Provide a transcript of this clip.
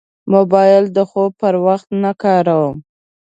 موبایل د خوب پر وخت نه کاروم.